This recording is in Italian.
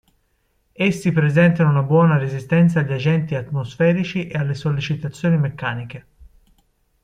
Essi presentano una buona resistenza agli agenti atmosferici e alle sollecitazioni meccaniche.